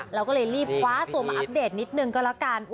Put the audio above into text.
เราก็เลยรีบคว้าตัวมาอัปเดตนิดนึงก็แล้วกัน